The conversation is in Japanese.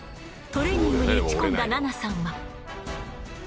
トレーニングに打ち込んだ菜那さんは。